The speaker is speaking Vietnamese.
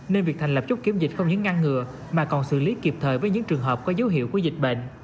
nên việc thành lập chốt kiểm dịch không những ngăn ngừa mà còn xử lý kịp thời với những trường hợp có dấu hiệu của dịch bệnh